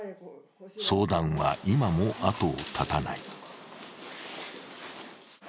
相談は今も後を絶たない。